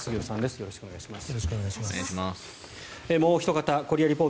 よろしくお願いします。